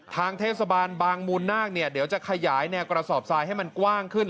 ทางเทศบาลบางมูลนาคเนี่ยเดี๋ยวจะขยายแนวกระสอบทรายให้มันกว้างขึ้น